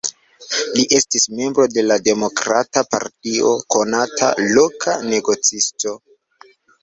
Li estis membro de la Demokrata Partio, konata loka negocisto.